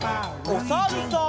おさるさん。